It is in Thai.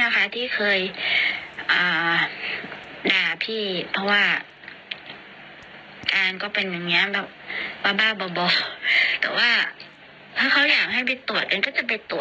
เอ้าเขาก็ประมาณแบบนี้